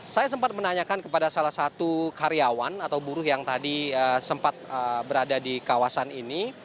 saya sempat menanyakan kepada salah satu karyawan atau buruh yang tadi sempat berada di kawasan ini